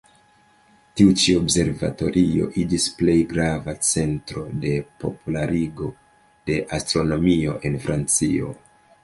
Tiu-ĉi observatorio iĝis plej grava centro de popularigo de astronomio en Francio.